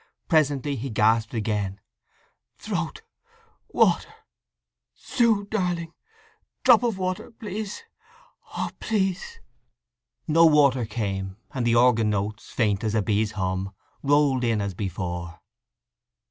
Presently he gasped again: "Throat—water—Sue—darling—drop of water—please—oh please!" No water came, and the organ notes, faint as a bee's hum, rolled in as before.